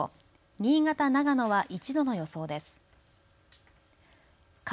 新潟、長野は１度の予想です。